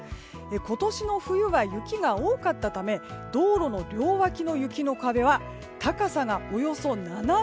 今年の冬が雪が多かったため道路の両脇の雪の壁は高さがおよそ７ｍ